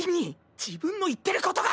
自分の言ってることが。